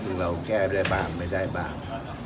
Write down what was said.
ซึ่งเราแก้ได้บ้างไม่ได้บ้าง